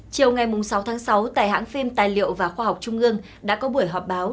chiều ngày sáu tháng sáu tại hãng phim tài liệu và khoa học trung ương đã có buổi họp báo